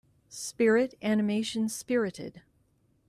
Spirit animation Spirited